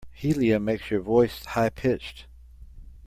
Helium makes your voice high pitched.